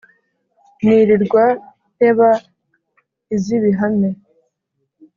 nirirwa nteba iz' ibihame.